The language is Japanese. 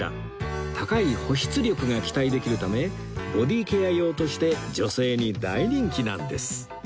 高い保湿力が期待できるためボディーケア用として女性に大人気なんです